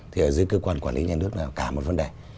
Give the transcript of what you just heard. thì ở dưới cơ quan quản lý nhà nước nào cả một vấn đề